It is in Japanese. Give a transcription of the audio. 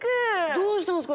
どうしたんすか？